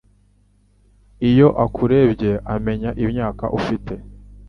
iyo akurebye amenya imyaka ufite